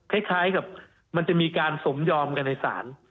คล้ายกับมันจะมีการสมยอมกันในศาล